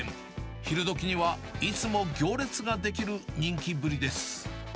昼どきにはいつも行列が出来る人気ぶりです。